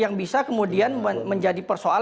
yang bisa kemudian menjadi persoalan